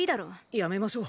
やめましょう。